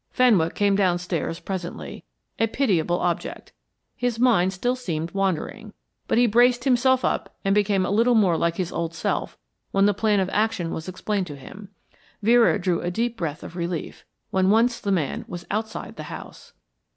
Fenwick came downstairs presently, a pitiable object. His mind still seemed wandering; but he braced himself up and became a little more like his old self when the plan of action was explained to him. Vera drew a deep breath of relief when once the man was outside the house.